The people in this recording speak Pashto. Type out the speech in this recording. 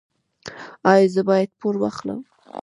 ایا زه باید پور واخلم؟